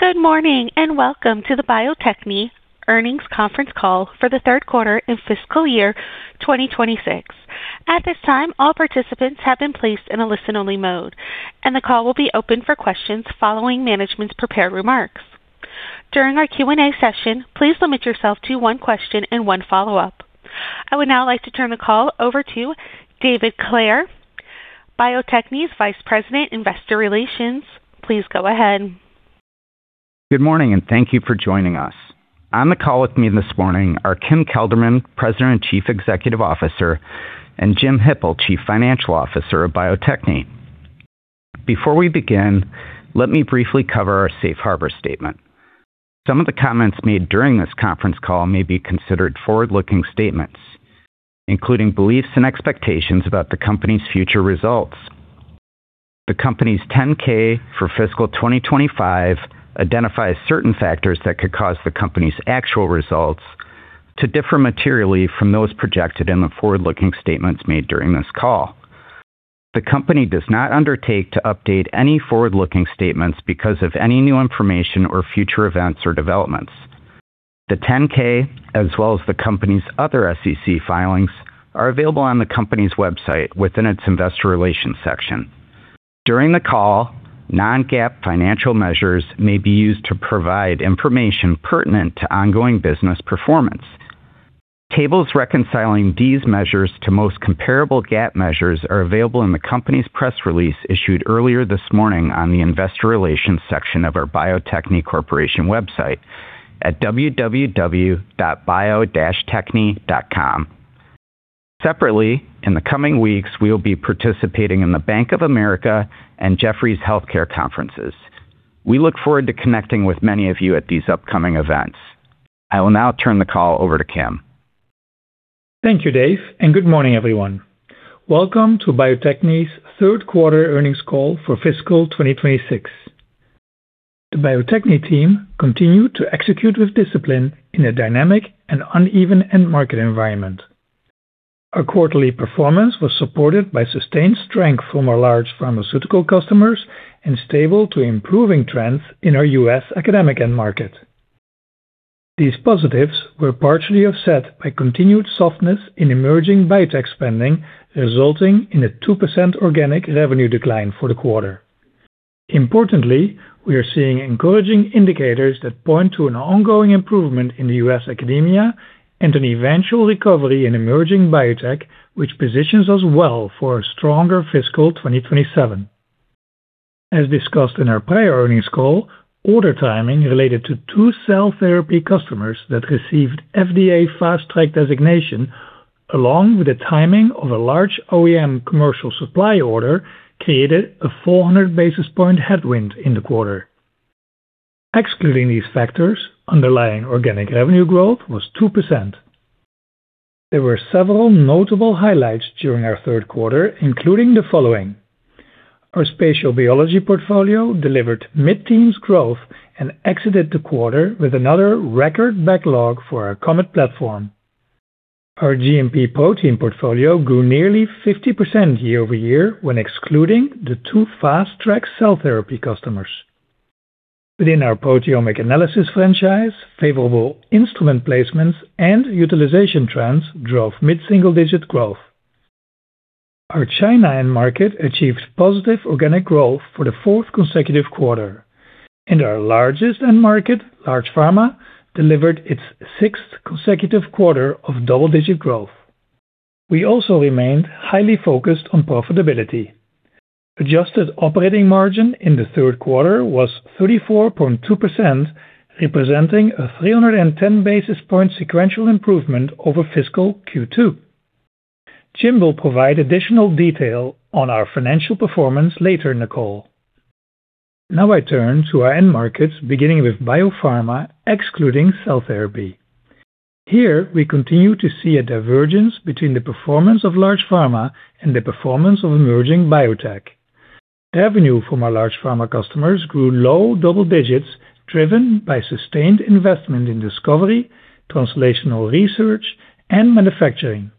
Good morning, and welcome to the Bio-Techne earnings conference call for the third quarter in fiscal year 2026. At this time, all participants have been placed in a listen-only mode, and the call will be open for questions following management's prepared remarks. During our Q&A session, please limit yourself to one question and one follow-up. I would now like to turn the call over to David Clair, Bio-Techne's Vice President, Investor Relations. Please go ahead. Good morning, and thank you for joining us. On the call with me this morning are Kim Kelderman, President and Chief Executive Officer, and Jim Hippel, Chief Financial Officer of Bio-Techne. Before we begin, let me briefly cover our safe harbor statement. Some of the comments made during this conference call may be considered forward-looking statements, including beliefs and expectations about the company's future results. The company's 10-K for fiscal 2025 identifies certain factors that could cause the company's actual results to differ materially from those projected in the forward-looking statements made during this call. The company does not undertake to update any forward-looking statements because of any new information or future events or developments. The 10-K, as well as the company's other SEC filings, are available on the company's website within its investor relations section. During the call, non-GAAP financial measures may be used to provide information pertinent to ongoing business performance. Tables reconciling these measures to most comparable GAAP measures are available in the company's press release issued earlier this morning on the investor relations section of our Bio-Techne Corporation website at www.bio-techne.com. Separately, in the coming weeks, we will be participating in the Bank of America and Jefferies Healthcare conferences. We look forward to connecting with many of you at these upcoming events. I will now turn the call over to Kim. Thank you, David Clair, and good morning, everyone. Welcome to Bio-Techne's third quarter earnings call for fiscal 2026. The Bio-Techne team continued to execute with discipline in a dynamic and uneven end market environment. Our quarterly performance was supported by sustained strength from our large pharmaceutical customers and stable to improving trends in our U.S. academic end market. These positives were partially offset by continued softness in emerging biotech spending, resulting in a 2% organic revenue decline for the quarter. Importantly, we are seeing encouraging indicators that point to an ongoing improvement in the U.S. academia and an eventual recovery in emerging biotech, which positions us well for a stronger fiscal 2027. As discussed in our prior earnings call, order timing related to 2 cell therapy customers that received FDA Fast Track designation, along with the timing of a large OEM commercial supply order, created a 400 basis points headwind in the quarter. Excluding these factors, underlying organic revenue growth was 2%. There were several notable highlights during our third quarter, including the following. Our spatial biology portfolio delivered mid-teens growth and exited the quarter with another record backlog for our COMET platform. Our GMP protein portfolio grew nearly 50% year-over-year when excluding the two Fast Track cell therapy customers. Within our proteomic analysis franchise, favorable instrument placements and utilization trends drove mid-single-digit growth. Our China end market achieved positive organic growth for the fourth consecutive quarter, and our largest end market, large pharma, delivered its sixth consecutive quarter of double-digit growth. We also remained highly focused on profitability. Adjusted operating margin in the third quarter was 34.2%, representing a 310 basis point sequential improvement over fiscal Q2. Jim will provide additional detail on our financial performance later in the call. I turn to our end markets, beginning with biopharma, excluding cell therapy. Here, we continue to see a divergence between the performance of large pharma and the performance of emerging biotech. Revenue from our large pharma customers grew low double-digits, driven by sustained investment in discovery, translational research, and manufacturing.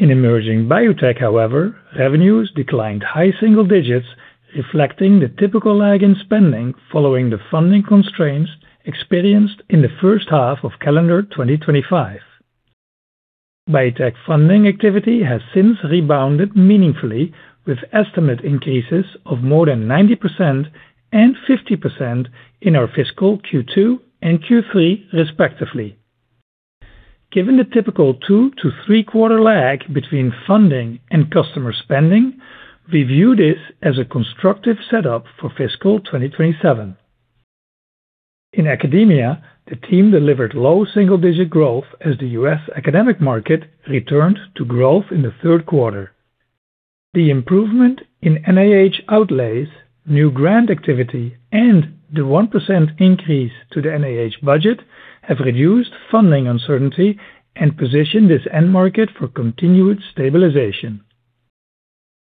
In emerging biotech, however, revenues declined high-single-digits, reflecting the typical lag in spending following the funding constraints experienced in the first half of calendar 2025. Biotech funding activity has since rebounded meaningfully with estimate increases of more than 90% and 50% in our fiscal Q2 and Q3, respectively. Given the typical two to three-quarter lag between funding and customer spending, we view this as a constructive setup for fiscal 2027. In academia, the team delivered low single-digit growth as the U.S. academic market returned to growth in the third quarter. The improvement in NIH outlays, new grant activity, and the 1% increase to the NIH budget have reduced funding uncertainty and positioned this end market for continued stabilization.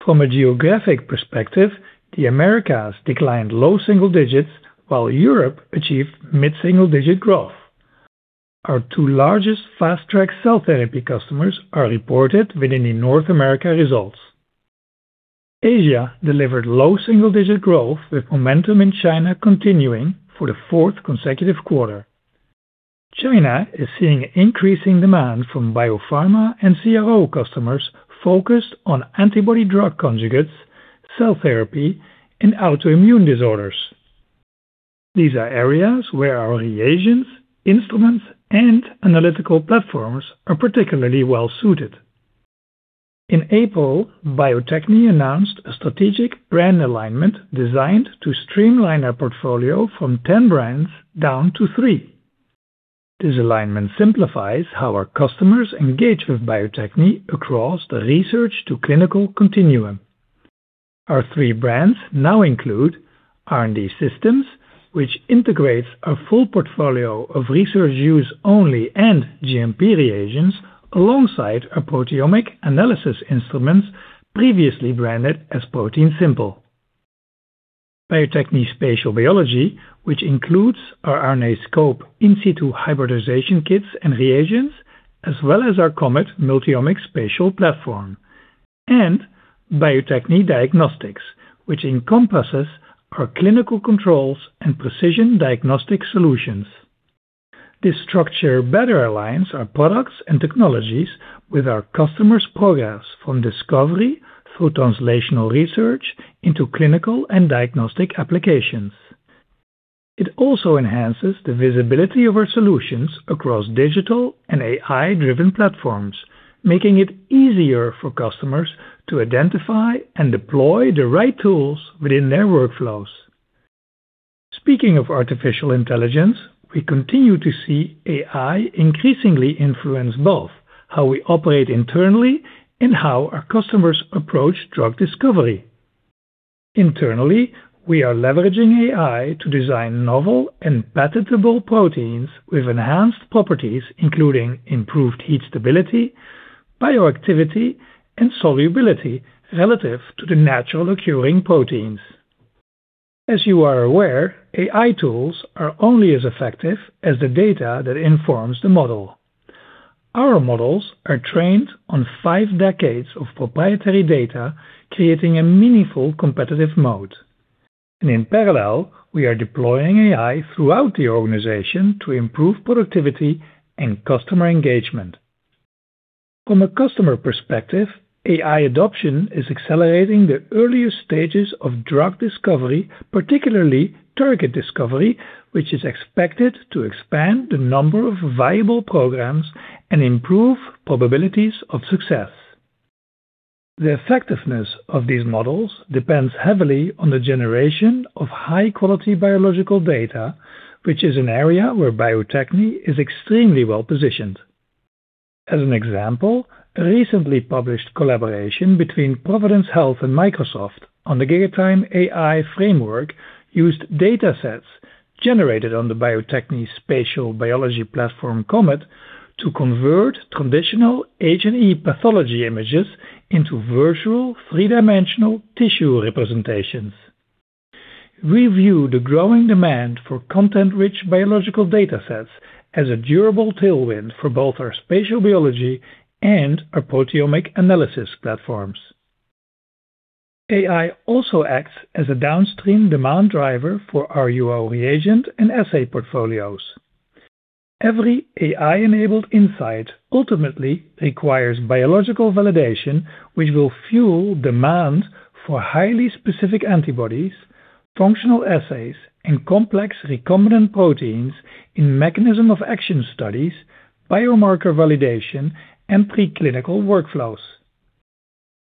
From a geographic perspective, the Americas declined low single-digits, while Europe achieved mid-single-digit growth. Our two largest Fast Track cell therapy customers are reported within the North America results. Asia delivered low single-digit growth with momentum in China continuing for the fourth consecutive quarter. China is seeing increasing demand from biopharma and CRO customers focused on antibody drug conjugates, cell therapy, and autoimmune disorders. These are areas where our reagents, instruments, and analytical platforms are particularly well-suited. In April, Bio-Techne announced a strategic brand alignment designed to streamline our portfolio from 10 brands down to three. This alignment simplifies how our customers engage with Bio-Techne across the research to clinical continuum. Our three brands now include R&D Systems, which integrates our full portfolio of research use only and GMP reagents alongside our proteomic analysis instruments previously branded as ProteinSimple. Bio-Techne Spatial, which includes our RNAscope in situ hybridization kits and reagents, as well as our COMET multi-omic spatial platform, and Bio-Techne Diagnostics, which encompasses our clinical controls and precision diagnostic solutions. This structure better aligns our products and technologies with our customers' progress from discovery through translational research into clinical and diagnostic applications. It also enhances the visibility of our solutions across digital and AI driven platforms, making it easier for customers to identify and deploy the right tools within their workflows. Speaking of artificial intelligence, we continue to see AI increasingly influence both how we operate internally and how our customers approach drug discovery. Internally, we are leveraging AI to design novel and patentable proteins with enhanced properties, including improved heat stability, bioactivity, and solubility relative to the natural occurring proteins. As you are aware, AI tools are only as effective as the data that informs the model. Our models are trained on five decades of proprietary data, creating a meaningful competitive moat. In parallel, we are deploying AI throughout the organization to improve productivity and customer engagement. From a customer perspective, AI adoption is accelerating the earliest stages of drug discovery, particularly target discovery, which is expected to expand the number of viable programs and improve probabilities of success. The effectiveness of these models depends heavily on the generation of high quality biological data, which is an area where Bio-Techne is extremely well positioned. As an example, a recently published collaboration between Providence and Microsoft on the GigaTIME AI framework used data sets generated on the Bio-Techne Spatial biology platform COMET to convert traditional H&E pathology images into virtual three dimensional tissue representations. We view the growing demand for content rich biological data sets as a durable tailwind for both our spatial biology and our proteomic analysis platforms. AI also acts as a downstream demand driver for our R&D reagent and assay portfolios. Every AI enabled insight ultimately requires biological validation, which will fuel demand for highly specific antibodies, functional assays, and complex recombinant proteins in mechanism of action studies, biomarker validation, and preclinical workflows.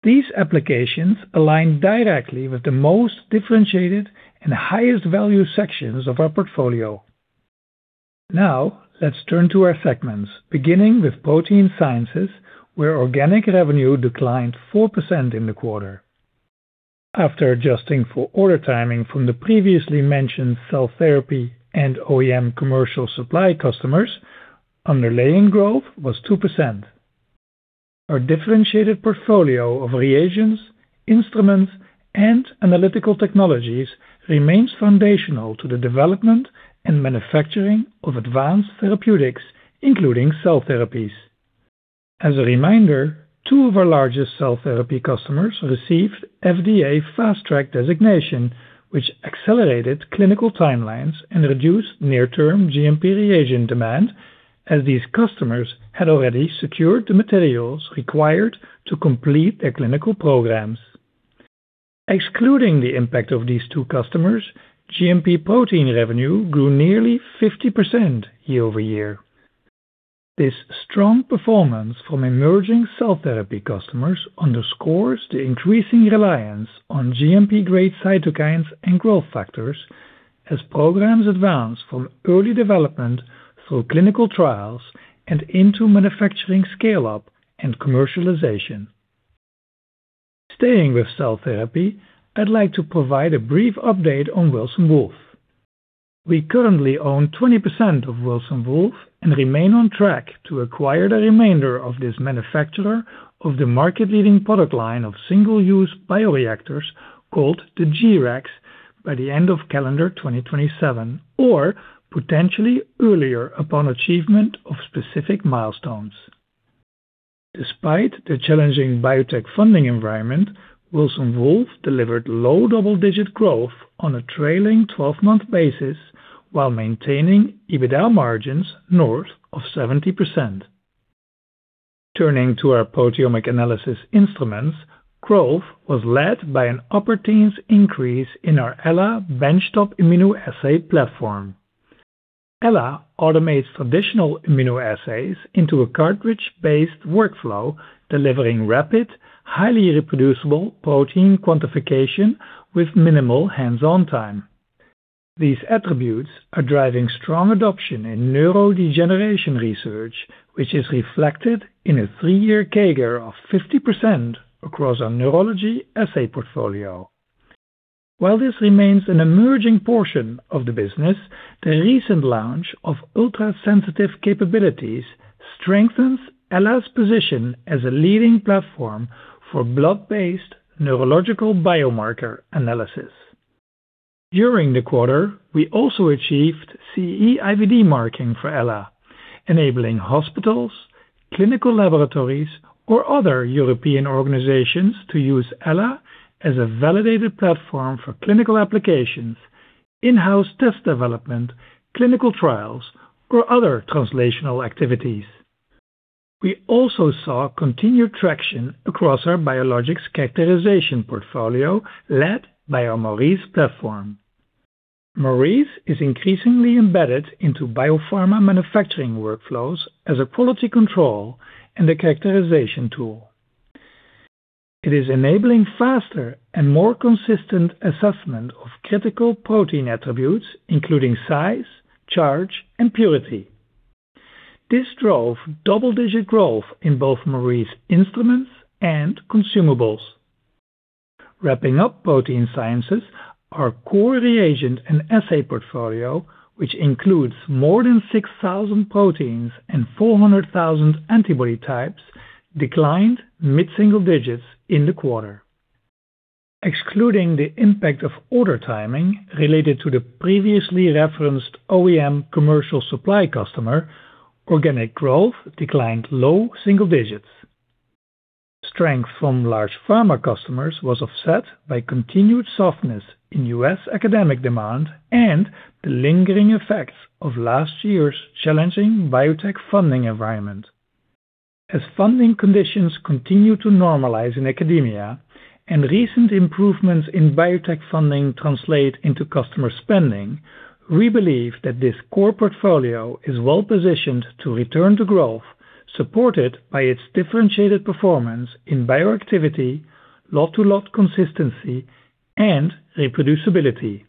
These applications align directly with the most differentiated and highest value sections of our portfolio. Let's turn to our segments, beginning with Protein Sciences, where organic revenue declined 4% in the quarter. After adjusting for order timing from the previously mentioned cell therapy and OEM commercial supply customers, underlying growth was 2%. Our differentiated portfolio of reagents, instruments, and analytical technologies remains foundational to the development and manufacturing of advanced therapeutics, including cell therapies. As a reminder, two of our largest cell therapy customers received FDA Fast Track designation, which accelerated clinical timelines and reduced near term GMP reagent demand, as these customers had already secured the materials required to complete their clinical programs. Excluding the impact of these two customers, GMP protein revenue grew nearly 50% year-over-year. This strong performance from emerging cell therapy customers underscores the increasing reliance on GMP grade cytokines and growth factors as programs advance from early development through clinical trials and into manufacturing scale up and commercialization. Staying with cell therapy, I'd like to provide a brief update on Wilson Wolf. We currently own 20% of Wilson Wolf and remain on track to acquire the remainder of this manufacturer of the market-leading product line of single-use bioreactors called the G-Rex by the end of calendar 2027, or potentially earlier upon achievement of specific milestones. Despite the challenging biotech funding environment, Wilson Wolf delivered low double-digit growth on a trailing 12-month basis, while maintaining EBITDA margins north of 70%. Turning to our proteomic analysis instruments, growth was led by an upper teens increase in our Ella benchtop immunoassay platform. Ella automates traditional immunoassays into a cartridge-based workflow, delivering rapid, highly reproducible protein quantification with minimal hands-on time. These attributes are driving strong adoption in neurodegeneration research, which is reflected in a three year CAGR of 50% across our neurology assay portfolio. While this remains an emerging portion of the business, the recent launch of ultra-sensitive capabilities strengthens Ella's position as a leading platform for blood-based neurological biomarker analysis. During the quarter, we also achieved CE IVD marking for Ella, enabling hospitals, clinical laboratories, or other European organizations to use Ella as a validated platform for clinical applications, in-house test development, clinical trials, or other translational activities. We also saw continued traction across our biologics characterization portfolio led by our Maurice platform. Maurice is increasingly embedded into biopharma manufacturing workflows as a quality control and a characterization tool. It is enabling faster and more consistent assessment of critical protein attributes, including size, charge, and purity. This drove double-digit growth in both Maurice instruments and consumables. Wrapping up Protein Sciences, our core reagent and assay portfolio, which includes more than 6,000 proteins and 400,000 antibody types, declined mid-single-digits in the quarter. Excluding the impact of order timing related to the previously referenced OEM commercial supply customer, organic growth declined low single-digits. Strength from large pharma customers was offset by continued softness in U.S. academic demand and the lingering effects of last year's challenging biotech funding environment. As funding conditions continue to normalize in academia, and recent improvements in biotech funding translate into customer spending, we believe that this core portfolio is well-positioned to return to growth, supported by its differentiated performance in bioactivity, lot to lot consistency, and reproducibility.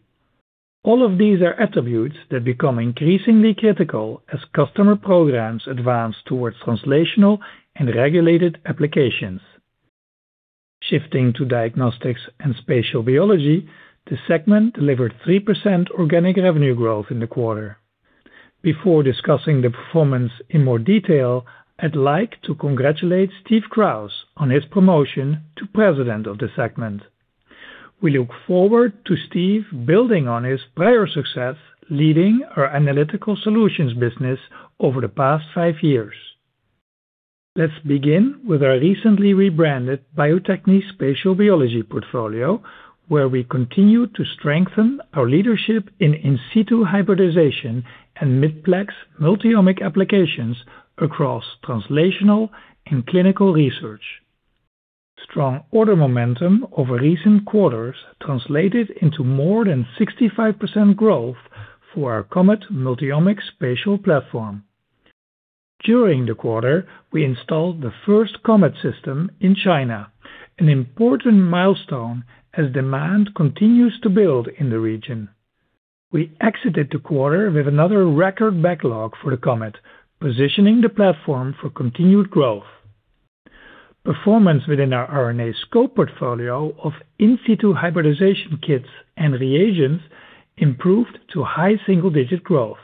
All of these are attributes that become increasingly critical as customer programs advance towards translational and regulated applications. Shifting to diagnostics and spatial biology, the segment delivered 3% organic revenue growth in the quarter. Before discussing the performance in more detail, I'd like to congratulate Steve Kraus on his promotion to President of the segment. We look forward to Steve building on his prior success leading our analytical solutions business over the past five years. Let's begin with our recently rebranded Bio-Techne Spatial Biology portfolio, where we continue to strengthen our leadership in in situ hybridization and mid-plex multi-omic applications across translational and clinical research. Strong order momentum over recent quarters translated into more than 65% growth for our COMET multi-omic spatial platform. During the quarter, we installed the first COMET system in China, an important milestone as demand continues to build in the region. We exited the quarter with another record backlog for the COMET, positioning the platform for continued growth. Performance within our RNAscope portfolio of in situ hybridization kits and reagents improved to high single-digit growth.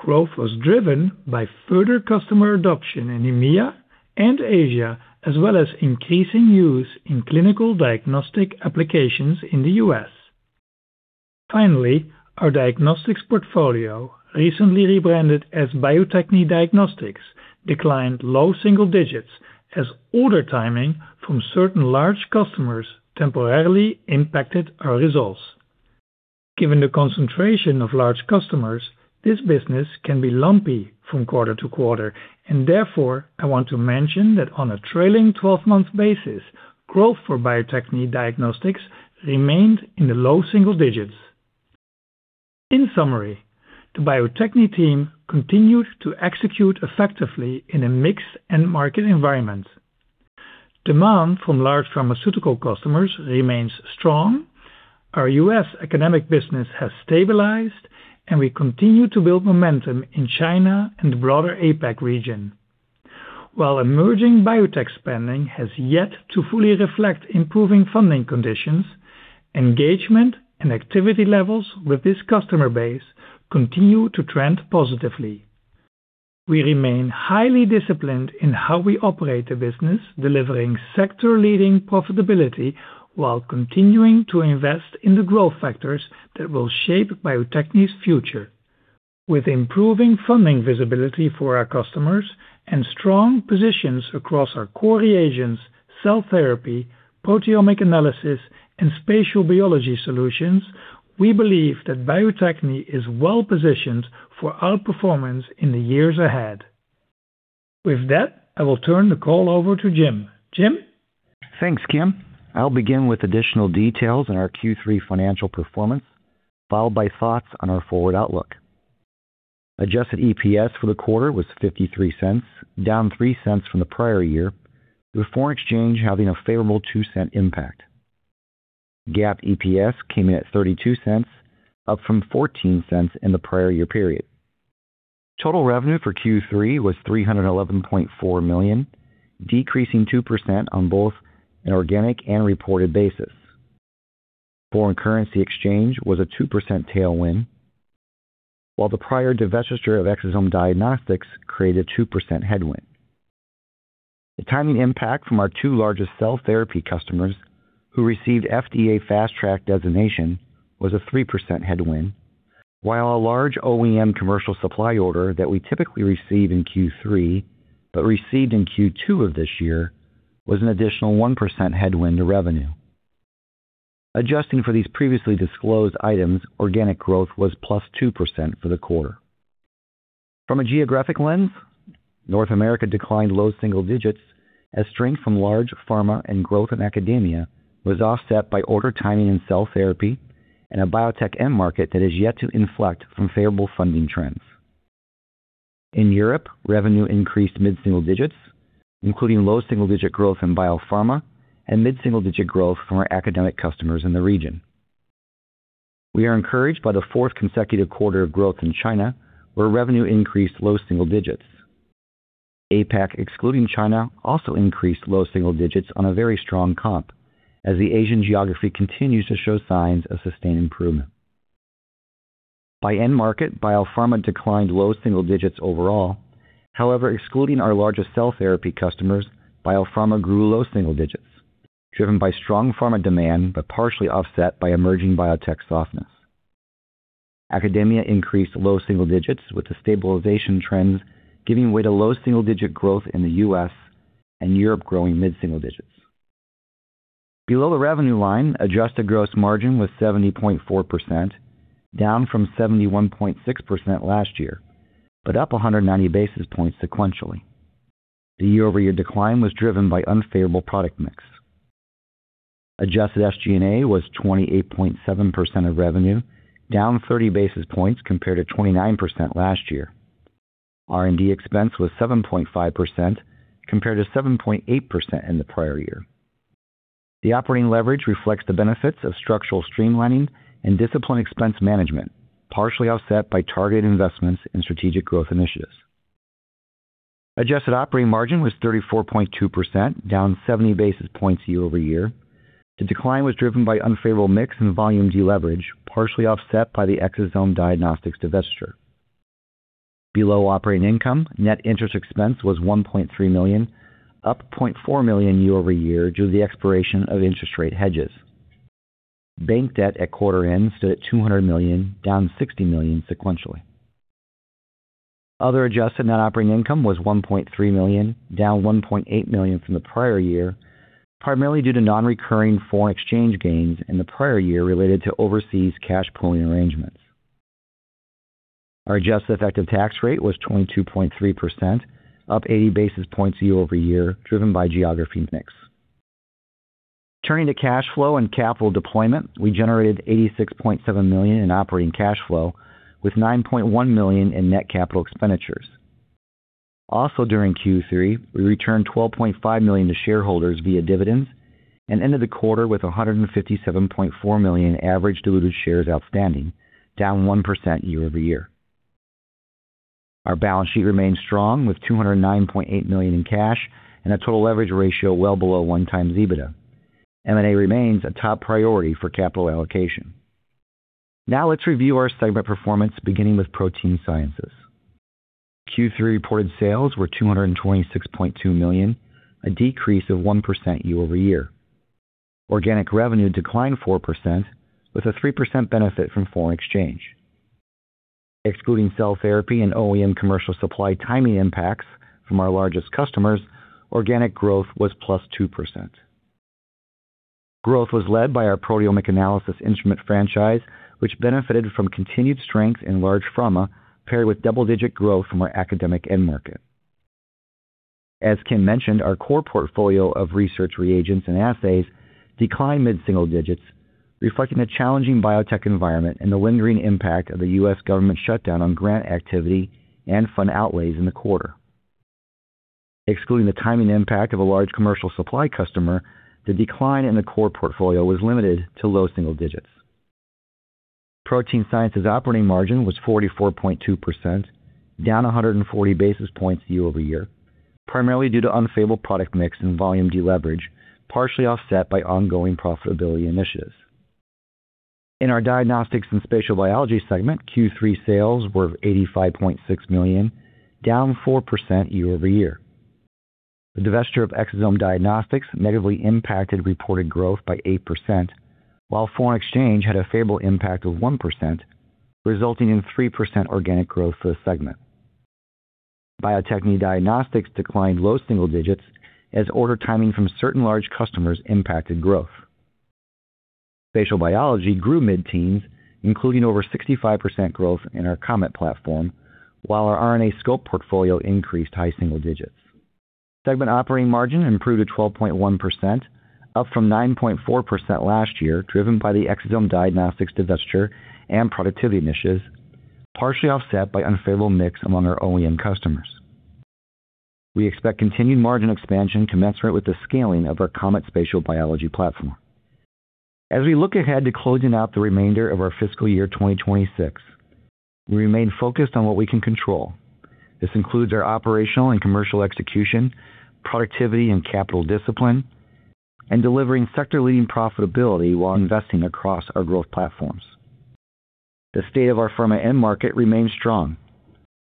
Growth was driven by further customer adoption in EMEA and Asia, as well as increasing use in clinical diagnostic applications in the U.S. Finally, our diagnostics portfolio, recently rebranded as Bio-Techne Diagnostics, declined low single-digits as order timing from certain large customers temporarily impacted our results. Given the concentration of large customers, this business can be lumpy from quarter-to-quarter, and therefore, I want to mention that on a trailing 12-month basis, growth for Bio-Techne Diagnostics remained in the low single-digits. In summary, the Bio-Techne team continued to execute effectively in a mixed end market environment. Demand from large pharmaceutical customers remains strong, our U.S. economic business has stabilized, and we continue to build momentum in China and the broader APAC region. While emerging biotech spending has yet to fully reflect improving funding conditions, engagement and activity levels with this customer base continue to trend positively. We remain highly disciplined in how we operate the business, delivering sector-leading profitability while continuing to invest in the growth factors that will shape Bio-Techne's future. With improving funding visibility for our customers and strong positions across our core reagents, cell therapy, proteomic analysis, and spatial biology solutions, we believe that Bio-Techne is well-positioned for outperformance in the years ahead. With that, I will turn the call over to Jim. Jim? Thanks, Kim. I'll begin with additional details on our Q3 financial performance, followed by thoughts on our forward outlook. Adjusted EPS for the quarter was $0.53, down $0.03 from the prior year, with foreign exchange having a favorable $0.02 impact. GAAP EPS came in at $0.32, up from $0.14 in the prior year period. Total revenue for Q3 was $311.4 million, decreasing 2% on both an organic and reported basis. Foreign currency exchange was a 2% tailwind, while the prior divestiture of Exosome Diagnostics created a 2% headwind. The timing impact from our two largest cell therapy customers who received FDA Fast Track designation was a 3% headwind, while a large OEM commercial supply order that we typically receive in Q3 but received in Q2 of this year was an additional 1% headwind to revenue. Adjusting for these previously disclosed items, organic growth was +2% for the quarter. From a geographic lens, North America declined low single digits as strength from large pharma and growth in academia was offset by order timing in cell therapy and a biotech end market that is yet to inflect from favorable funding trends. In Europe, revenue increased mid-single digits, including low single-digit growth in biopharma and mid-single-digit growth from our academic customers in the region. We are encouraged by the fourth consecutive quarter of growth in China, where revenue increased low single-digits. APAC, excluding China, also increased low single-digits on a very strong comp, as the Asian geography continues to show signs of sustained improvement. By end market, biopharma declined low single-digits overall. Excluding our largest cell therapy customers, biopharma grew low single-digits, driven by strong pharma demand but partially offset by emerging biotech softness. Academia increased low single digits, with the stabilization trends giving way to low single-digit growth in the U.S. and Europe growing mid-single digits. Below the revenue line, adjusted gross margin was 70.4%, down from 71.6% last year, but up 190 basis points sequentially. The year-over-year decline was driven by unfavorable product mix. Adjusted SG&A was 28.7% of revenue, down 30 basis points compared to 29% last year. R&D expense was 7.5%, compared to 7.8% in the prior year. The operating leverage reflects the benefits of structural streamlining and disciplined expense management, partially offset by targeted investments in strategic growth initiatives. Adjusted operating margin was 34.2%, down 70 basis points year-over-year. The decline was driven by unfavorable mix and volume deleverage, partially offset by the Exosome Diagnostics divestiture. Below operating income, net interest expense was $1.3 million, up $0.4 million year-over-year due to the expiration of interest rate hedges. Bank debt at quarter end stood at $200 million, down $60 million sequentially. Other adjusted net operating income was $1.3 million, down $1.8 million from the prior year, primarily due to non-recurring foreign exchange gains in the prior year related to overseas cash pooling arrangements. Our adjusted effective tax rate was 22.3%, up 80 basis points year-over-year, driven by geography mix. Turning to cash flow and capital deployment, we generated $86.7 million in operating cash flow, with $9.1 million in net capital expenditures. Also during Q3, we returned $12.5 million to shareholders via dividends and ended the quarter with 157.4 million average diluted shares outstanding, down 1% year-over-year. Our balance sheet remains strong, with $209.8 million in cash and a total leverage ratio well below 1x EBITDA. M&A remains a top priority for capital allocation. Now let's review our segment performance, beginning with Protein Sciences. Q3 reported sales were $226.2 million, a decrease of 1% year-over-year. Organic revenue declined 4%, with a 3% benefit from foreign exchange. Excluding cell therapy and OEM commercial supply timing impacts from our largest customers, organic growth was plus 2%. Growth was led by our proteomic analysis instrument franchise, which benefited from continued strength in large pharma, paired with double-digit growth from our academic end market. As Kim mentioned, our core portfolio of research reagents and assays declined mid-single digits, reflecting a challenging biotech environment and the lingering impact of the U.S. government shutdown on grant activity and fund outlays in the quarter. Excluding the timing impact of a large commercial supply customer, the decline in the core portfolio was limited to low single-digits. Protein Sciences operating margin was 44.2%, down 140 basis points year-over-year, primarily due to unfavorable product mix and volume deleverage, partially offset by ongoing profitability initiatives. In our Diagnostics and Spatial Biology segment, Q3 sales were of $85.6 million, down 4% year-over-year. The divesture of Exosome Diagnostics negatively impacted reported growth by 8%, while foreign exchange had a favorable impact of 1%, resulting in 3% organic growth for the segment. Bio-Techne Diagnostics declined low single digits as order timing from certain large customers impacted growth. Spatial Biology grew mid-teens, including over 65% growth in our COMET platform, while our RNAscope portfolio increased high-single-digits. Segment operating margin improved to 12.1%, up from 9.4% last year, driven by the Exosome Diagnostics divestiture and productivity initiatives, partially offset by unfavorable mix among our OEM customers. We expect continued margin expansion commensurate with the scaling of our COMET spatial biology platform. As we look ahead to closing out the remainder of our fiscal year 2026, we remain focused on what we can control. This includes our operational and commercial execution, productivity and capital discipline, and delivering sector-leading profitability while investing across our growth platforms. The state of our pharma end market remains strong.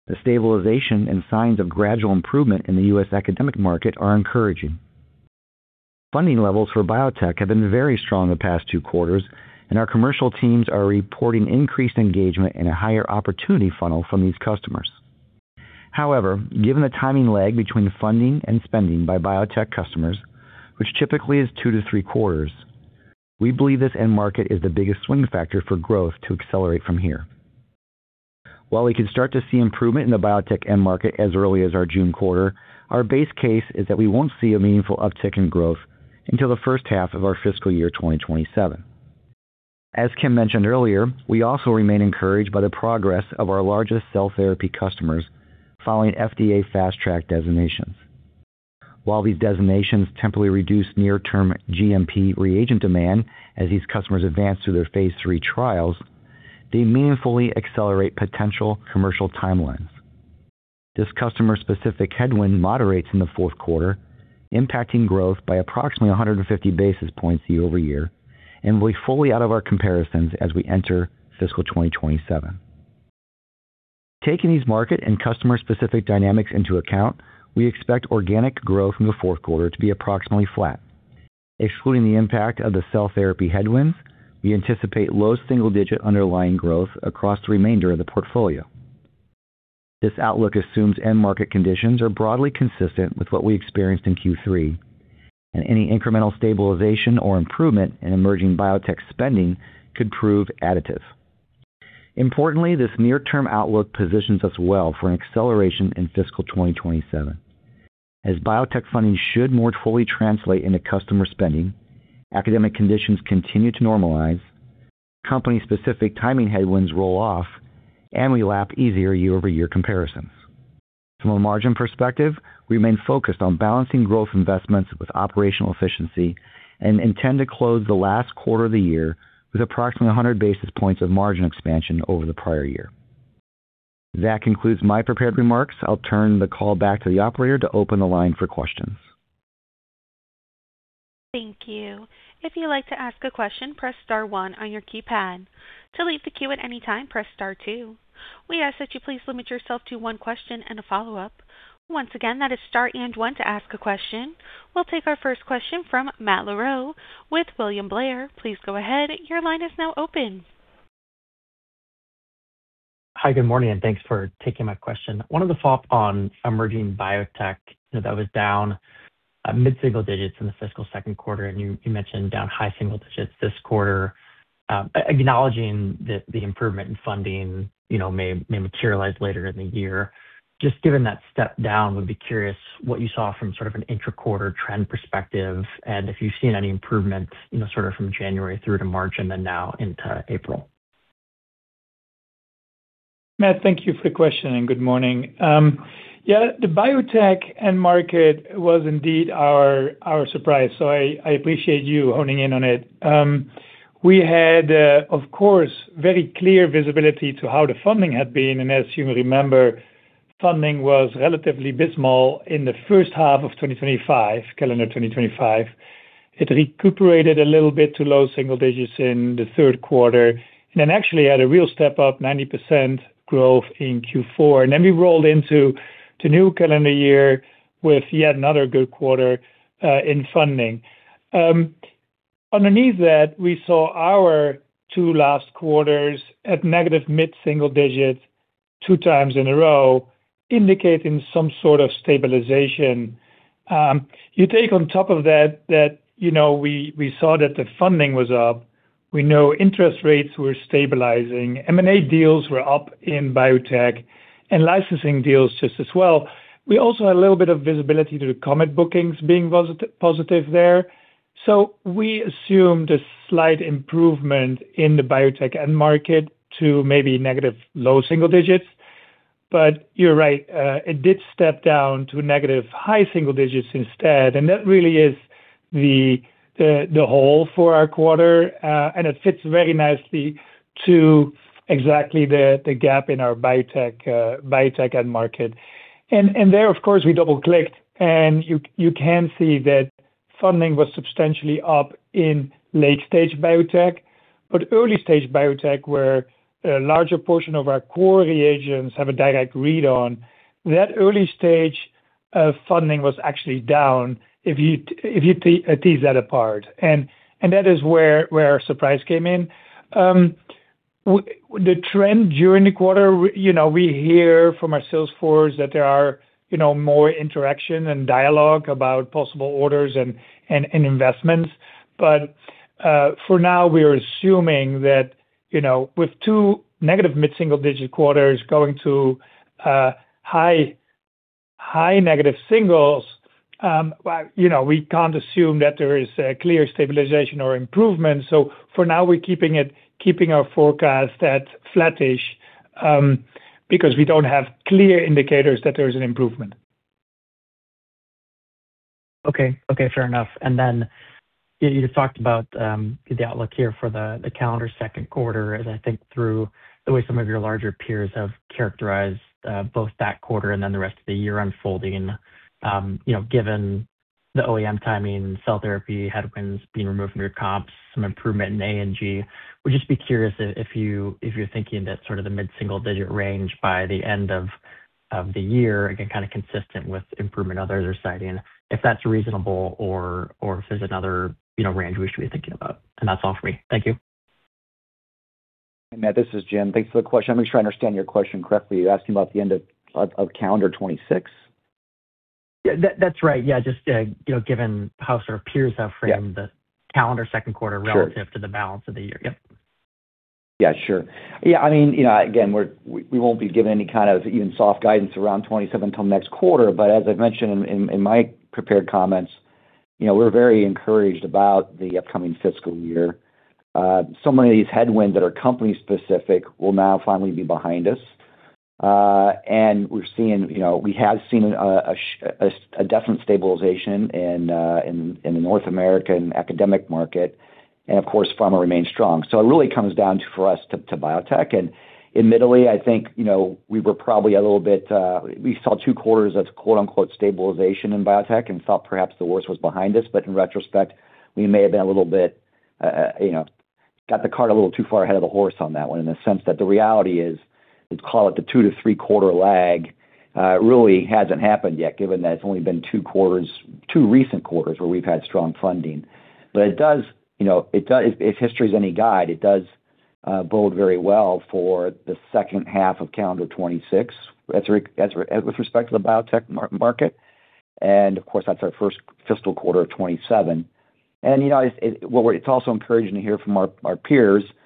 The stabilization and signs of gradual improvement in the U.S. academic market are encouraging. Funding levels for biotech have been very strong the past two quarters. Our commercial teams are reporting increased engagement and a higher opportunity funnel from these customers. However, given the timing lag between funding and spending by biotech customers, which typically is two to three quarters, we believe this end market is the biggest swing factor for growth to accelerate from here. While we can start to see improvement in the biotech end market as early as our June quarter, our base case is that we won't see a meaningful uptick in growth until the first half of our fiscal year 2027. As Kim Kelderman mentioned earlier, we also remain encouraged by the progress of our largest cell therapy customers following FDA Fast Track designations. While these designations temporarily reduce near-term GMP reagent demand as these customers advance through their phase III trials, they meaningfully accelerate potential commercial timelines. This customer-specific headwind moderates in the fourth quarter, impacting growth by approximately 150 basis points year-over-year and will be fully out of our comparisons as we enter fiscal 2027. Taking these market and customer-specific dynamics into account, we expect organic growth in the fourth quarter to be approximately flat. Excluding the impact of the cell therapy headwinds, we anticipate low single-digit underlying growth across the remainder of the portfolio. This outlook assumes end market conditions are broadly consistent with what we experienced in Q3, and any incremental stabilization or improvement in emerging biotech spending could prove additive. Importantly, this near-term outlook positions us well for an acceleration in fiscal 2027 as biotech funding should more fully translate into customer spending, academic conditions continue to normalize, company-specific timing headwinds roll off, and we lap easier year-over-year comparisons. From a margin perspective, we remain focused on balancing growth investments with operational efficiency and intend to close the last quarter of the year with approximately 100 basis points of margin expansion over the prior year. That concludes my prepared remarks. I'll turn the call back to the operator to open the line for questions. Thank you. If you'd like to ask a question, press star one on your keypad. To leave the queue at any time, press star two. We ask that you please limit yourself to one question and a follow-up. Once again, that is star and one to ask a question. We'll take our first question from Matt Larew with William Blair. Please go ahead. Your line is now open. Hi, good morning, thanks for taking my question. I had a follow-up on emerging biotech that was down mid-single-digits in the fiscal second quarter. You mentioned down high-single-digits this quarter. Acknowledging that the improvement in funding, you know, may materialize later in the year, just given that step down, would be curious what you saw from sort of an intra-quarter trend perspective and if you've seen any improvement, you know, sort of from January through to March and then now into April. Matt, thank you for the question and good morning. Yeah, the biotech end market was indeed our surprise, so I appreciate you honing in on it. We had, of course, very clear visibility to how the funding had been, as you remember, funding was relatively abysmal in the first half of 2025, calendar 2025. It recuperated a little bit to low single-digits in the third quarter then actually had a real step up, 90% growth in Q4. Then we rolled into the new calendar year with yet another good quarter in funding. Underneath that, we saw our two last quarters at negative mid-single-digits 2x in a row, indicating some sort of stabilization. You take on top of that, you know, we saw that the funding was up. We know interest rates were stabilizing, M&A deals were up in biotech and licensing deals just as well. We also had a little bit of visibility to the COMET bookings being positive there. We assumed a slight improvement in the biotech end market to maybe negative low single-digits. You're right, it did step down to negative high-single-digits instead, and that really is the hole for our quarter. It fits very nicely to exactly the gap in our biotech end market. There, of course, we double-clicked and you can see that funding was substantially up in late-stage biotech. Early-stage biotech, where a larger portion of our core reagents have a direct read on, that early stage funding was actually down if you tease that apart. That is where our surprise came in. The trend during the quarter, you know, we hear from our sales force that there are, you know, more interaction and dialogue about possible orders and investments. For now, we are assuming that, you know, with two negative mid-single-digit quarters going to high negative singles, well, you know, we can't assume that there is a clear stabilization or improvement. For now we're keeping it, keeping our forecast at flattish because we don't have clear indicators that there is an improvement. Okay, fair enough. Then you talked about the outlook here for the calendar second quarter, and I think through the way some of your larger peers have characterized both that quarter and then the rest of the year unfolding. You know, given the OEM timing, cell therapy headwinds being removed from your comps, some improvement in A&G. Would just be curious if you're thinking that sort of the mid-single-digit range by the end of the year, again, kind of consistent with improvement others are citing, if that's reasonable or if there's another, you know, range we should be thinking about. That's all for me. Thank you. Matt, this is Jim. Thanks for the question. Let me try to understand your question correctly. You're asking about the end of calendar 2026? Yeah. That, that's right. Yeah, just, you know, given how sort of peers have framed-. Yeah. the calendar second quarter Sure. relative to the balance of the year. Yep. Yeah, sure. Yeah, I mean, you know, again, we won't be giving any kind of even soft guidance around 2027 till next quarter. As I've mentioned in my prepared comments, you know, we're very encouraged about the upcoming fiscal year. Many of these headwinds that are company specific will now finally be behind us. We're seeing, you know, we have seen a definite stabilization in the North American academic market and of course pharma remains strong. It really comes down for us to biotech. Admittedly, I think, you know, we were probably a little bit. We saw two quarters of quote-unquote "stabilization" in biotech and thought perhaps the worst was behind us. In retrospect, we may have been a little bit, you know, got the cart a little too far ahead of the horse on that one in the sense that the reality is, let's call it the two to three quarter lag, really hasn't happened yet, given that it's only been two quarters, two recent quarters where we've had strong funding. It does, you know, if history is any guide, it does bode very well for the second half of calendar 2026 with respect to the biotech market. Of course, that's our first fiscal quarter of 2027. You know, it's also encouraging to hear from our peers who've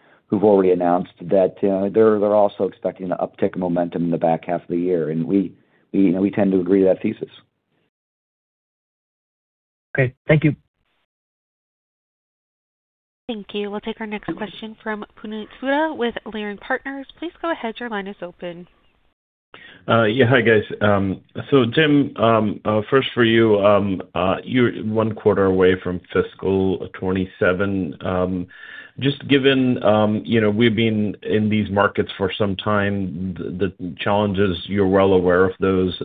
already announced that they're also expecting an uptick in momentum in the back half of the year. We, you know, we tend to agree to that thesis. Okay. Thank you. Thank you. We'll take our next question from Puneet Souda with Leerink Partners. Please go ahead. Your line is open. Yeah. Hi, guys. Jim, first for you. You're one quarter away from fiscal 2027. Just given, you know, we've been in these markets for some time, the challenges, you're well aware of those.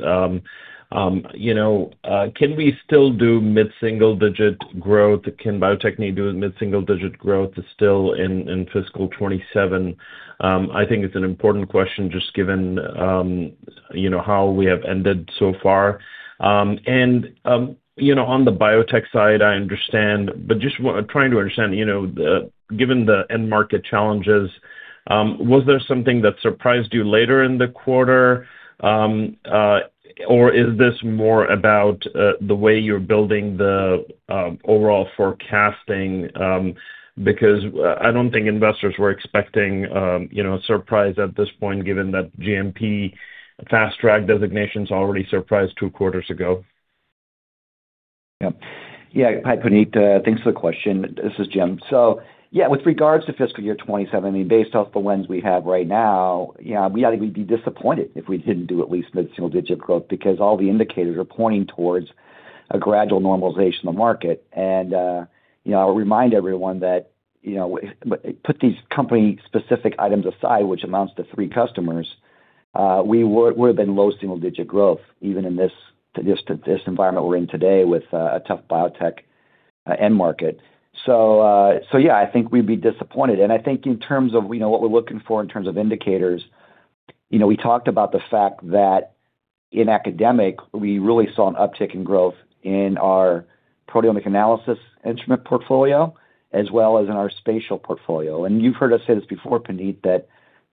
Can we still do mid-single-digit growth? Can Bio-Techne do mid-single-digit growth still in fiscal 2027? I think it's an important question just given, you know, how we have ended so far. On the biotech side, I understand, but just trying to understand, given the end market challenges, was there something that surprised you later in the quarter, or is this more about the way you're building the overall forecasting? I don't think investors were expecting, you know, a surprise at this point, given that GMP Fast Track designation's already surprised two quarters ago. Yeah. Yeah. Hi, Puneet. Thanks for the question. This is Jim. Yeah, with regards to fiscal year 2027, I mean, based off the lens we have right now, yeah, we ought to be disappointed if we didn't do at least mid-single-digit growth because all the indicators are pointing towards a gradual normalization of the market. You know, I'll remind everyone that, you know, put these company specific items aside, which amounts to three customers, we would've been low single digit growth even in this environment we're in today with a tough biotech end market. Yeah, I think we'd be disappointed. I think in terms of, you know, what we're looking for in terms of indicators, you know, we talked about the fact that in academic we really saw an uptick in growth in our proteomic analysis instrument portfolio as well as in our spatial portfolio. You've heard us say this before, Puneet, that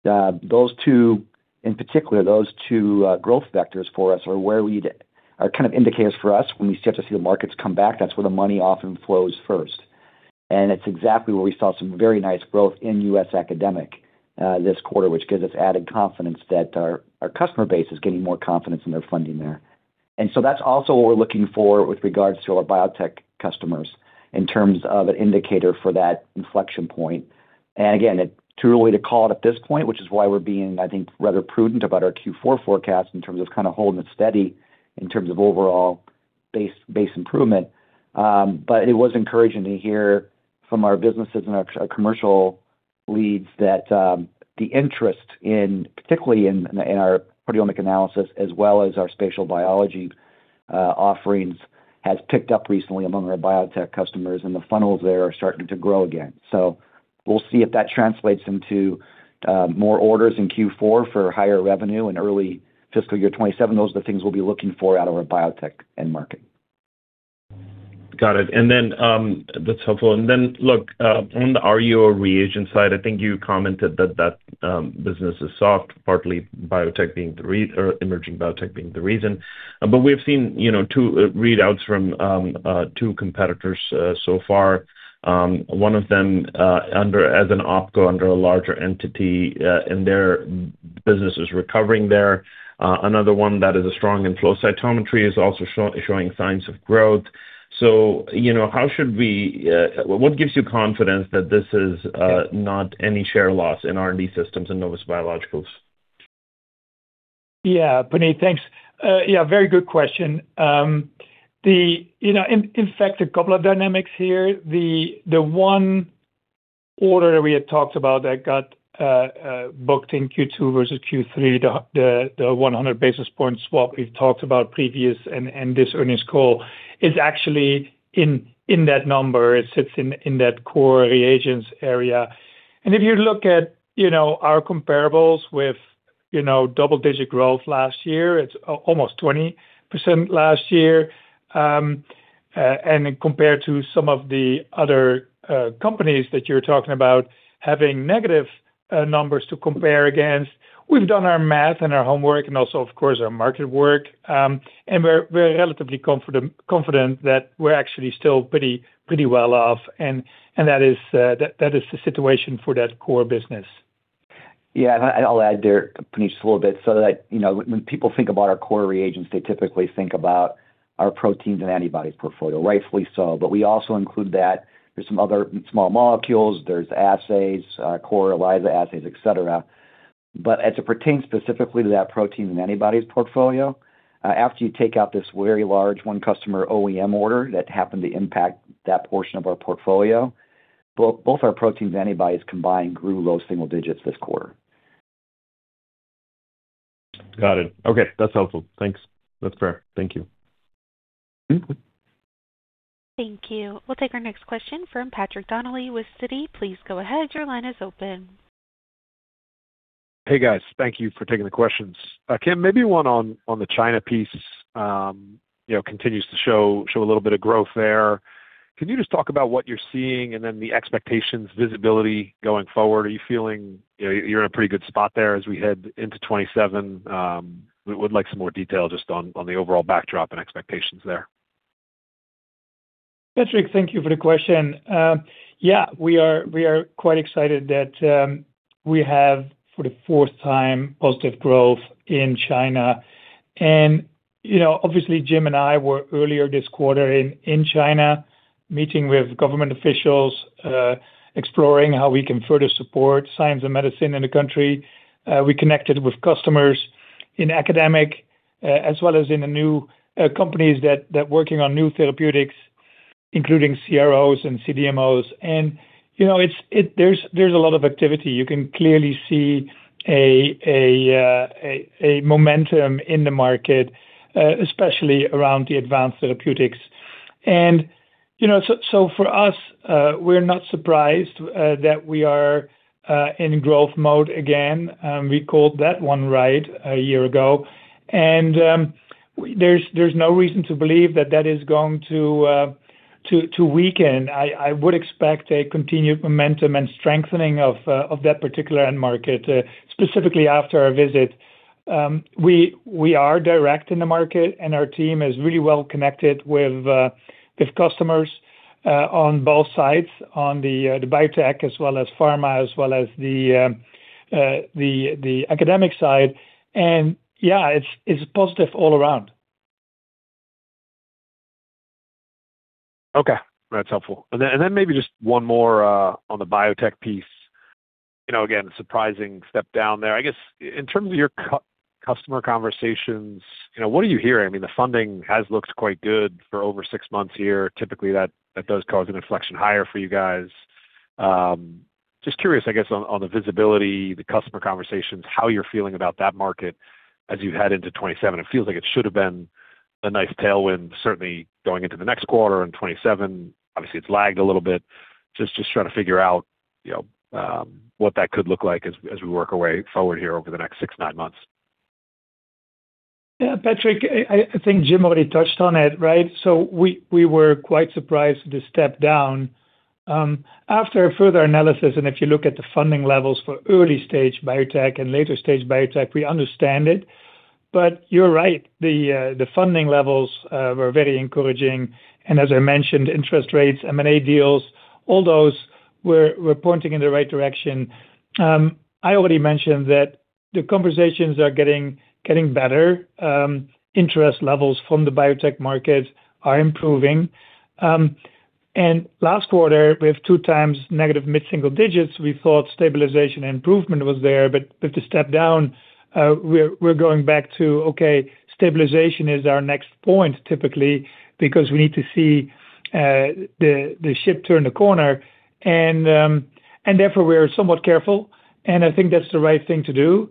those two, in particular, growth vectors for us are kind of indicators for us when we start to see the markets come back. That's where the money often flows first. It's exactly where we saw some very nice growth in U.S. academic this quarter, which gives us added confidence that our customer base is getting more confidence in their funding there. That's also what we're looking for with regards to our biotech customers in terms of an indicator for that inflection point. Again, it's too early to call it at this point, which is why we're being, I think, rather prudent about our Q4 forecast in terms of kind of holding it steady in terms of overall-Base, base improvement. It was encouraging to hear from our businesses and our commercial leads that the interest in, particularly in our proteomic analysis as well as our spatial biology offerings, has picked up recently among our biotech customers, and the funnels there are starting to grow again. We'll see if that translates into more orders in Q4 for higher revenue in early fiscal year 2027. Those are the things we'll be looking for out of our biotech end market. Got it. That's helpful. Look, on the RUO reagent side, I think you commented that business is soft, partly biotech being the or emerging biotech being the reason. We've seen, you know, two readouts from two competitors so far. One of them, under as an opco under a larger entity, and their business is recovering there. Another one that is a strong in flow cytometry is also showing signs of growth. You know, how should what gives you confidence that this is not any share loss in R&D Systems and Novus Biologicals? Yeah. Puneet, thanks. Yeah, very good question. The, you know, in fact, a couple of dynamics here. The one order we had talked about that got booked in Q2 versus Q3, the 100 basis point swap we've talked about previous and this earnings call is actually in that number. It sits in that core reagents area. If you look at, you know, our comparables with, you know, double-digit growth last year, it's almost 20% last year. Compared to some of the other companies that you're talking about having negative numbers to compare against. We've done our math and our homework and also, of course, our market work. We're relatively confident that we're actually still pretty well off. That is the situation for that core business. I'll add there, Puneet, just a little bit so that, you know, when people think about our core reagents, they typically think about our proteins and antibodies portfolio, rightfully so. We also include that there's some other small molecules, there's assays, core ELISA assays, et cetera. As it pertains specifically to that protein and antibodies portfolio, after you take out this very large 1 customer OEM order that happened to impact that portion of our portfolio, both our proteins and antibodies combined grew low single-digits this quarter. Got it. Okay. That's helpful. Thanks. That's fair. Thank you. Thank you. We'll take our next question from Patrick Donnelly with Citi. Please go ahead. Your line is open. Hey, guys. Thank you for taking the questions. Kim, maybe one on the China piece. You know, continues to show a little bit of growth there. Can you just talk about what you're seeing and then the expectations, visibility going forward? Are you feeling, you know, you're in a pretty good spot there as we head into 2027? We would like some more detail just on the overall backdrop and expectations there. Patrick, thank you for the question. Yeah, we are, we are quite excited that we have, for the fourth time, positive growth in China. You know, obviously, Jim and I were earlier this quarter in China meeting with government officials, exploring how we can further support science and medicine in the country. We connected with customers in academic, as well as in the new companies that working on new therapeutics, including CROs and CDMOs. You know, it's there's a lot of activity. You can clearly see a momentum in the market, especially around the advanced therapeutics. You know, so for us, we're not surprised that we are in growth mode again. We called that one right a year ago. There's no reason to believe that that is going to weaken. I would expect a continued momentum and strengthening of that particular end market, specifically after our visit. We are direct in the market, and our team is really well connected with customers on both sides, on the biotech as well as pharma, as well as the academic side. Yeah, it's positive all around. Okay. That's helpful. Then maybe just one more on the biotech piece. You know, again, surprising step down there. I guess in terms of your customer conversations, you know, what are you hearing? I mean, the funding has looked quite good for over six months here. Typically, that does cause an inflection higher for you guys. Just curious, I guess, on the visibility, the customer conversations, how you're feeling about that market as you head into 2027. It feels like it should have been a nice tailwind, certainly going into the next quarter in 2027. Obviously, it's lagged a little bit. Just trying to figure out, you know, what that could look like as we work our way forward here over the next six, nine months. Patrick, I think Jim already touched on it, right? We were quite surprised to step down. After further analysis and if you look at the funding levels for early-stage biotech and later-stage biotech, we understand it. You're right, the funding levels were very encouraging. As I mentioned, interest rates, M&A deals, all those were pointing in the right direction. I already mentioned that the conversations are getting better. Last quarter, we have 2x negative mid-single-digits. We thought stabilization improvement was there, but to step down, we're going back to, okay, stabilization is our next point, typically because we need to see the ship turn the corner and therefore we're somewhat careful, and I think that's the right thing to do.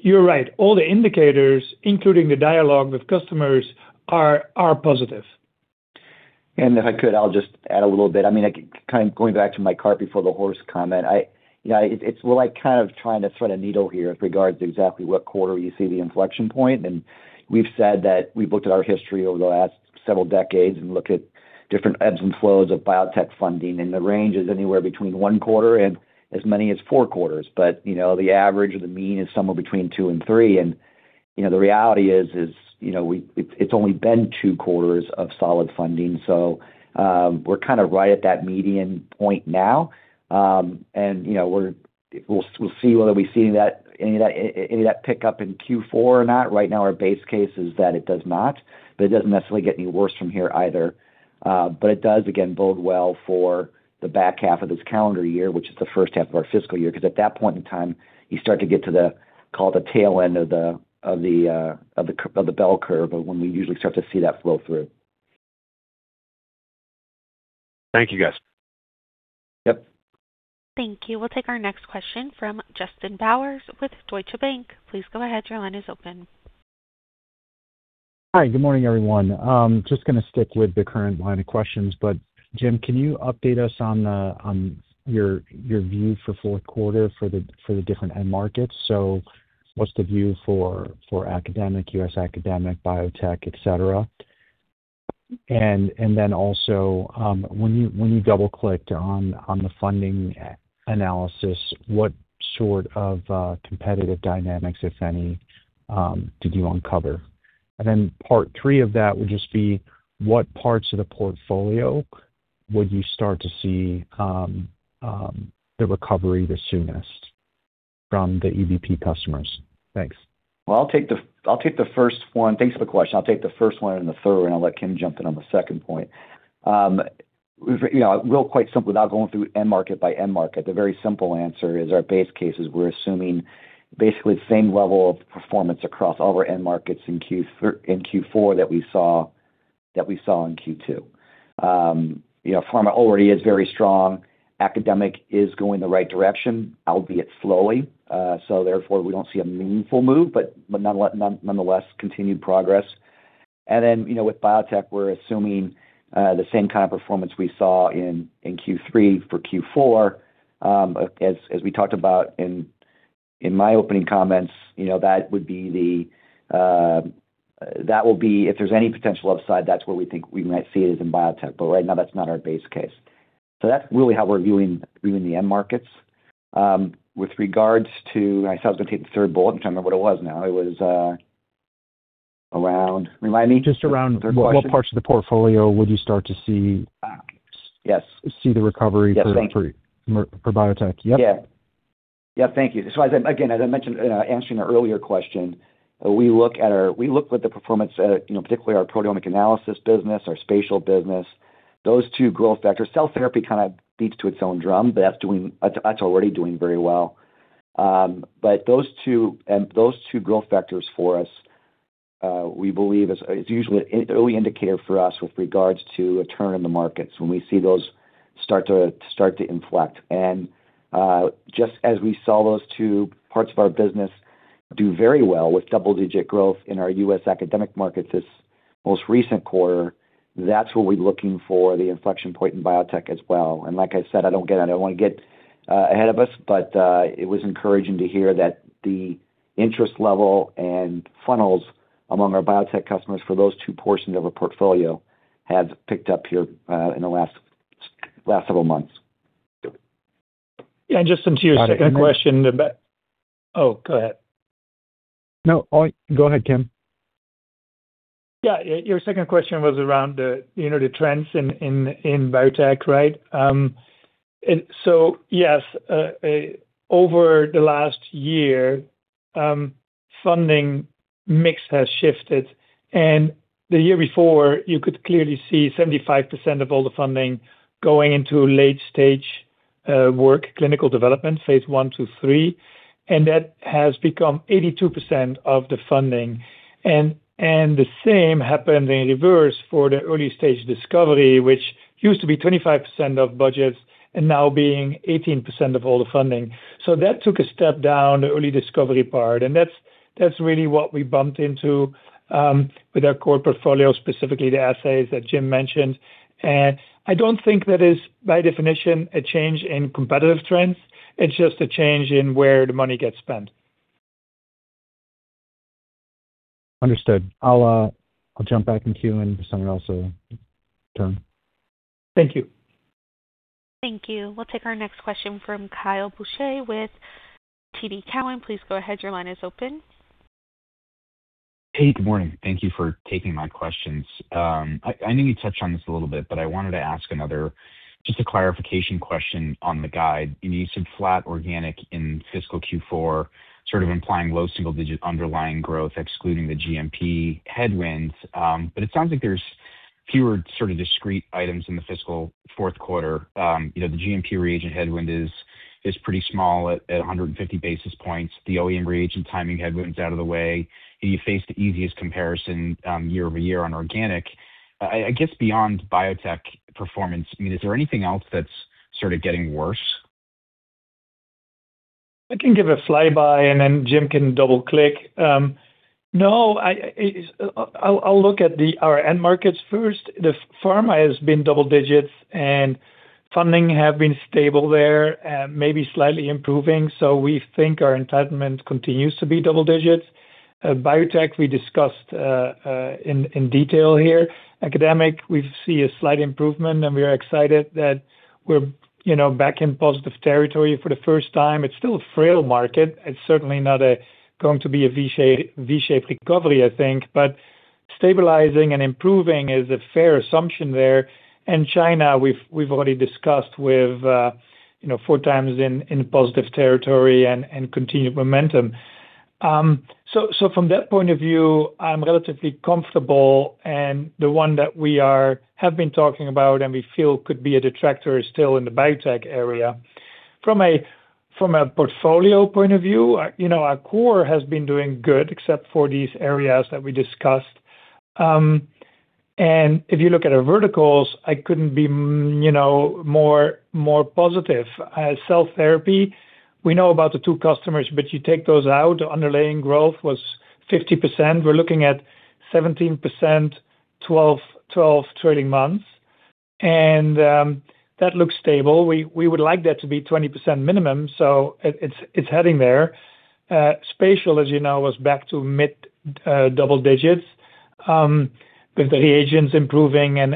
You're right. All the indicators, including the dialogue with customers are positive. If I could, I'll just add a little bit. I mean, I kind of going back to my cart before the horse comment. It's like kind of trying to thread a needle here with regards to exactly what quarter you see the inflection point. We've said that we've looked at our history over the last several decades and looked at different ebbs and flows of biotech funding, and the range is anywhere between one quarter and as many as four quarters. You know, the average or the mean is somewhere between two and three. You know, the reality is, you know, it's only been two quarters of solid funding. We're kind of right at that median point now. You know, we'll see whether we see any of that pickup in Q4 or not. Right now, our base case is that it does not, it doesn't necessarily get any worse from here either. It does, again, bode well for the back half of this calendar year, which is the first half of our fiscal year, 'cause at that point in time, you start to get to the, call it the tail end of the bell curve of when we usually start to see that flow through. Thank you, guys. Yep. Thank you. We'll take our next question from Justin Bowers with Deutsche Bank. Please go ahead. Your line is open. Hi. Good morning, everyone. Just gonna stick with the current line of questions. Jim, can you update us on your view for fourth quarter for the different end markets? What's the view for academic, U.S. academic, biotech, et cetera? Then also, when you double-clicked on the funding analysis, what sort of competitive dynamics, if any, did you uncover? Then part three of that would just be, what parts of the portfolio would you start to see the recovery the soonest from the EBP customers? Thanks. Well, I'll take the first one. Thanks for the question. I'll take the first one and the third one. I'll let Kim jump in on the second point. You know, real quite simple, without going through end market by end market, the very simple answer is our base case is we're assuming basically the same level of performance across all of our end markets in Q4 that we saw in Q2. You know, pharma already is very strong. Academic is going the right direction, albeit slowly. Therefore, we don't see a meaningful move, but nonetheless, continued progress. You know, with biotech, we're assuming the same kind of performance we saw in Q3 for Q4. As we talked about in my opening comments, you know, that would be if there's any potential upside, that's where we think we might see it is in biotech. Right now, that's not our base case. That's really how we're viewing the end markets. With regards to I thought I was gonna take the third bullet, which I don't know what it was now. It was around Remind me. Just around- Third question. What parts of the portfolio would you start to see? Yes. see the recovery. Yes. Thank you. for biotech. Yep. Yeah. Yeah. Thank you. As I mentioned in answering the earlier question, we look at the performance, you know, particularly our proteomic analysis business, our Bio-Techne Spatial business, those two growth factors. Cell therapy kind of beats to its own drum, but that's already doing very well. Those two growth factors for us, we believe is usually an early indicator for us with regards to a turn in the markets when we see those start to inflect. Just as we saw those two parts of our business do very well with double-digit growth in our U.S. academic market this most recent quarter, that's where we're looking for the inflection point in biotech as well. Like I said, I don't wanna get ahead of us, but it was encouraging to hear that the interest level and funnels among our Bio-Techne customers for those two portions of our portfolio have picked up here, in the last several months. Yeah. Just onto your second question about Oh, go ahead. No. Oh, go ahead, Kim. Your second question was around the, you know, the trends in biotech, right? Yes, over the last year, funding mix has shifted, and the year before, you could clearly see 75% of all the funding going into late stage work, clinical development, phase I to III, and that has become 82% of the funding. The same happened in reverse for the early stage discovery, which used to be 25% of budgets and now being 18% of all the funding. That took a step down, the early discovery part, and that's really what we bumped into with our core portfolio, specifically the assays that Jim mentioned. I don't think that is by definition a change in competitive trends. It's just a change in where the money gets spent. Understood. I'll jump back in queue and someone else's turn. Thank you. Thank you. We'll take our next question from Kyle Boucher with TD Cowen. Please go ahead. Your line is open. Good morning. Thank you for taking my questions. I know you touched on this a little bit, but I wanted to ask another just a clarification question on the guide. You said flat organic in fiscal Q4, sort of implying low single-digit underlying growth, excluding the GMP headwinds. It sounds like there's fewer sort of discrete items in the fiscal fourth quarter. You know, the GMP reagent headwind is pretty small at 150 basis points. The OEM reagent timing headwinds out of the way. You face the easiest comparison year-over-year on organic. I guess beyond biotech performance, I mean, is there anything else that's sort of getting worse? I can give a flyby and then Jim can double-click. No, I'll look at our end markets first. The pharma has been double-digits and funding have been stable there and maybe slightly improving. We think our entitlement continues to be double-digits. Biotech, we discussed in detail here. Academic, we see a slight improvement. We are excited that we're, you know, back in positive territory for the first time. It's still a frail market. It's certainly not going to be a V-shaped recovery, I think. Stabilizing and improving is a fair assumption there. China, we've already discussed with, you know, 4x in positive territory and continued momentum. So from that point of view, I'm relatively comfortable and the one that we have been talking about and we feel could be a detractor is still in the biotech area. From a portfolio point of view, you know, our core has been doing good except for these areas that we discussed. If you look at our verticals, I couldn't be, you know, more positive. Cell therapy, we know about the two customers, but you take those out, the underlying growth was 50%. We're looking at 17%, 12 trailing months, that looks stable. We would like that to be 20% minimum, so it's heading there. Spatial, as you know, was back to mid-double-digits with the reagents improving and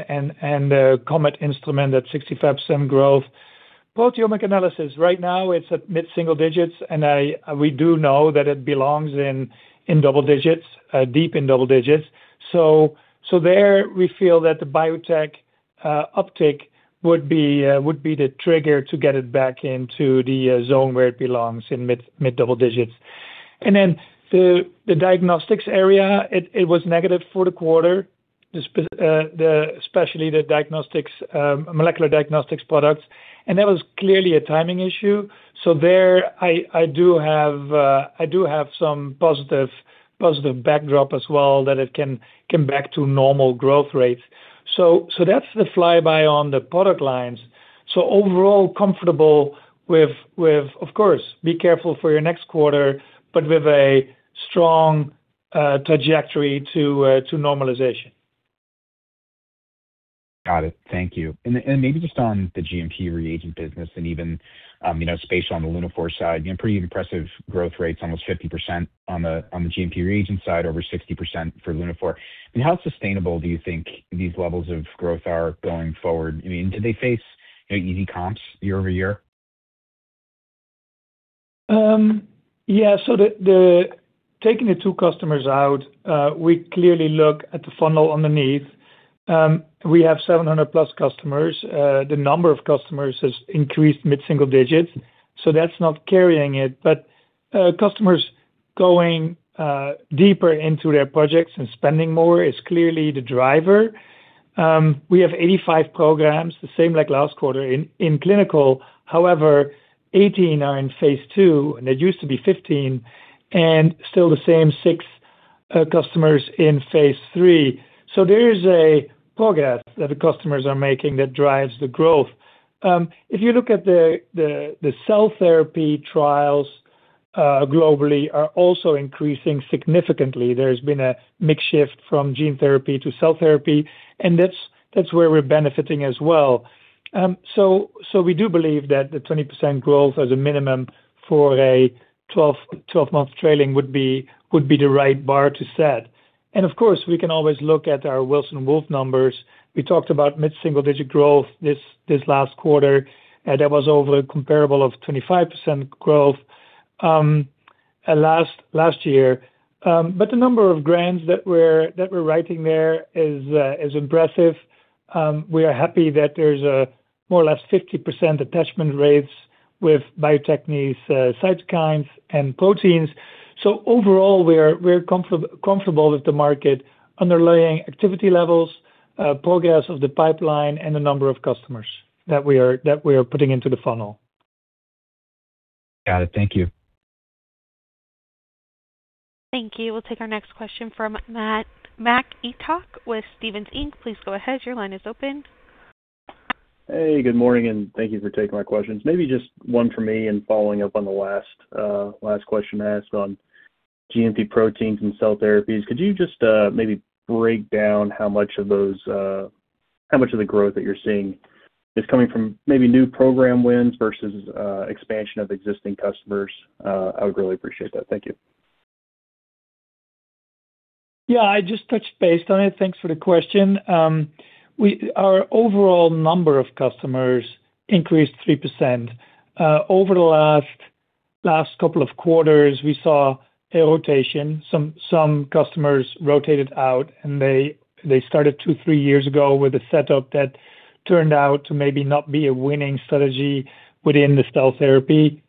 the COMET instrument at 65% growth. Proteomic analysis, right now it's at mid-single-digits, we do know that it belongs in double-digits, deep in double-digits. There we feel that the biotech uptake would be the trigger to get it back into the zone where it belongs in mid-double-digits. The diagnostics area was negative for the quarter, especially the diagnostics molecular diagnostics products. That was clearly a timing issue. There I do have some positive backdrop as well that it can come back to normal growth rates. That's the flyby on the product lines. Overall, comfortable with, of course, be careful for your next quarter, with a strong trajectory to normalization. Got it. Thank you. Maybe just on the GMP reagent business and even, you know, space on the Lunaphore side, you know, pretty impressive growth rates, almost 50% on the GMP reagent side, over 60% for Lunaphore. I mean, how sustainable do you think these levels of growth are going forward? I mean, do they face, you know, easy comps year-over-year? Taking the two customers out, we clearly look at the funnel underneath. We have 700+ customers. The number of customers has increased mid-single-digits, that's not carrying it. Customers going deeper into their projects and spending more is clearly the driver. We have 85 programs, the same like last quarter, in clinical. However, 18 are in phase II, and it used to be 15, and still the same six customers in phase III. There is a progress that the customers are making that drives the growth. If you look at the cell therapy trials, globally are also increasing significantly. There's been a mix shift from gene therapy to cell therapy, that's where we're benefiting as well. We do believe that the 20% growth as a minimum for a 12-month trailing would be the right bar to set. Of course, we can always look at our Wilson Wolf numbers. We talked about mid-single digit growth this last quarter, and that was over a comparable of 25% growth last year. The number of grants that we're writing there is impressive. We are happy that there's a more or less 50% attachment rates with Bio-Techne's cytokines and proteins. Overall, we're comfortable with the market underlying activity levels, progress of the pipeline, and the number of customers that we are putting into the funnel. Got it. Thank you. Thank you. We'll take our next question from Mac Etoch with Stephens Inc. Please go ahead. Your line is open. Hey, good morning, and thank you for taking my questions. Maybe just one for me and following up on the last last question asked on GMP proteins and cell therapies. Could you just maybe break down how much of those how much of the growth that you're seeing is coming from maybe new program wins versus expansion of existing customers? I would really appreciate that. Thank you. Yeah. I just touched base on it. Thanks for the question. Our overall number of customers increased 3% over the last couple of quarters, we saw a rotation. Some customers rotated out, and they started two, three years ago with a setup that turned out to maybe not be a winning strategy within the cell therapy.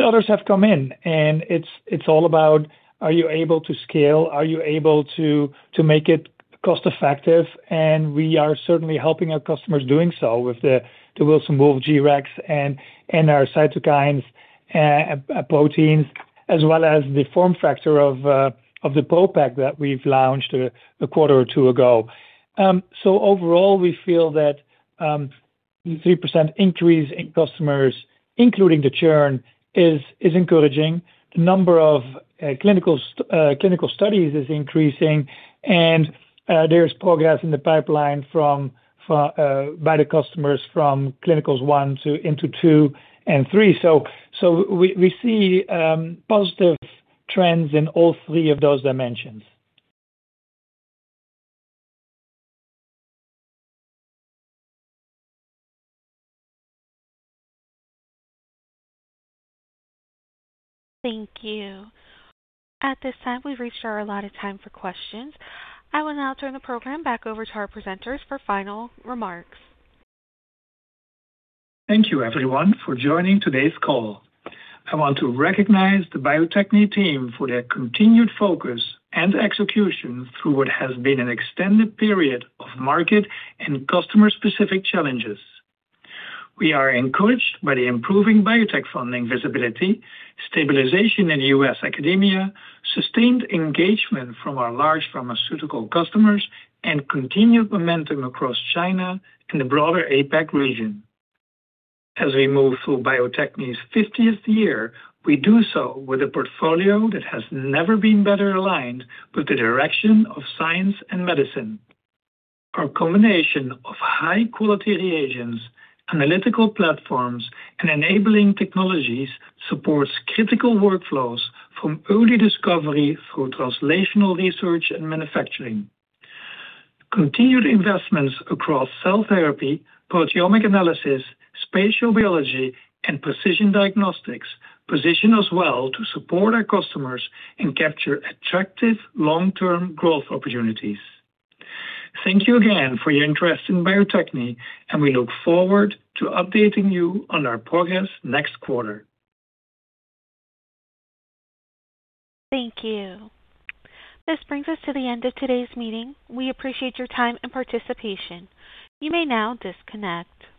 Others have come in, and it's all about are you able to scale, are you able to make it cost-effective? We are certainly helping our customers doing so with the Wilson Wolf G-Rex and our cytokines proteins, as well as the form factor of the ProPak that we've launched a quarter or two ago. Overall, we feel that 3% increase in customers, including the churn is encouraging. The number of clinical studies is increasing, and there's progress in the pipeline from, for, by the customers from clinicals I into II and III. We see positive trends in all three of those dimensions. Thank you. At this time, we've reached our allotted time for questions. I will now turn the program back over to our presenters for final remarks. Thank you everyone for joining today's call. I want to recognize the Bio-Techne team for their continued focus and execution through what has been an extended period of market and customer-specific challenges. We are encouraged by the improving biotech funding visibility, stabilization in U.S. academia, sustained engagement from our large pharmaceutical customers, and continued momentum across China and the broader APAC region. As we move through Bio-Techne's 50th year, we do so with a portfolio that has never been better aligned with the direction of science and medicine. Our combination of high-quality reagents, analytical platforms, and enabling technologies supports critical workflows from early discovery through translational research and manufacturing. Continued investments across cell therapy, proteomic analysis, spatial biology, and precision diagnostics position us well to support our customers and capture attractive long-term growth opportunities. Thank you again for your interest in Bio-Techne, and we look forward to updating you on our progress next quarter. Thank you. This brings us to the end of today's meeting. We appreciate your time and participation. You may now disconnect.